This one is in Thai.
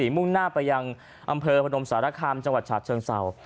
มุ่งหน้าไปยังอำเภอพนมสารคามจังหวัดฉาเชิงเศร้า